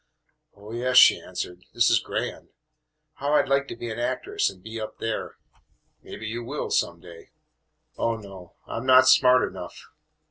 "Oh, yes," she answered, "this is grand. How I 'd like to be an actress and be up there!" "Maybe you will some day." "Oh, no, I 'm not smart enough."